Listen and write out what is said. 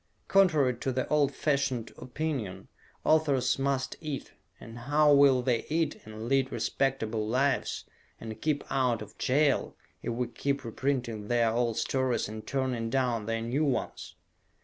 Contrary to the old fashioned opinion, authors must eat and how will they eat, and lead respectable lives, and keep out of jail, if we keep reprinting their old stories and turning down their new ones?